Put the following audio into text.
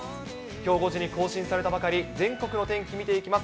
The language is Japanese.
きょう５時に更新されたばかり、全国のお天気見ていきます。